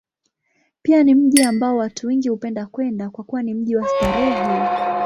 Pia ni mji ambao watu wengi hupenda kwenda, kwa kuwa ni mji wa starehe.